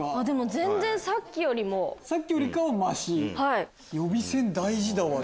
全然さっきよりも。さっきよりかはまし。